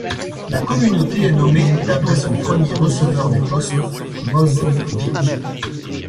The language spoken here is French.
La communauté est nommée d'après son premier receveur des postes, Moses Wick.